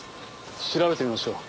調べてみましょう。